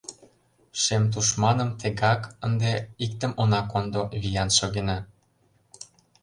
Шем тушманым тегак ынде иктым Она кондо, виян шогена!